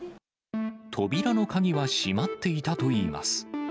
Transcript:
扉の鍵は閉まっていたといいます。